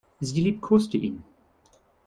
Sie liebkoste ihn.